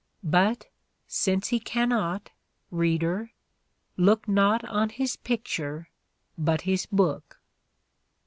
But, since he cannot, Reader look Not on his picture, but his book."